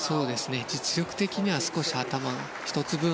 実力的には少し頭１つ分